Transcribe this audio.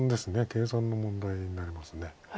計算の問題になります。